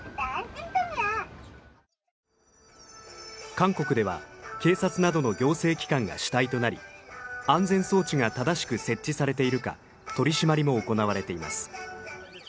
韓国では警察などの行政機関が主体となり安全装置が正しく設置されているか取り締まりも行われています。